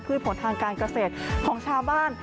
ผลทางการเกษตรของชาวบ้าน